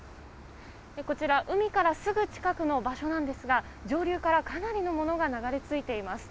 こちら、海からすぐ近くの場所なんですが上流から、かなりのものが流れ着いています。